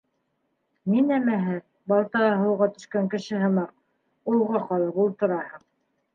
Ни нәмәһе, балтаһы һыуға төшкән кеше һымаҡ, уйға ҡалып ултыраһың.